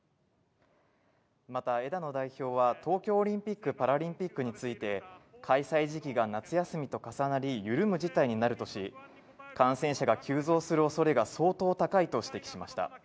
また枝野代表は、東京オリンピック・パラリンピックについて、開催時期が夏休みと重なり、緩む事態になるとし、感染者が急増するおそれが相当高いと指摘しました。